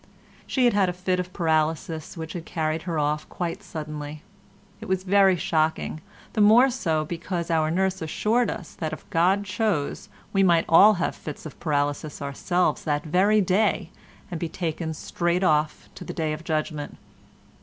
She had had a fit of paralysis which had carried her off quite suddenly. It was very shocking, the more so because our nurse assured us that if God chose we might all have fits of paralysis ourselves that very day and be taken straight off to the Day of Judgement.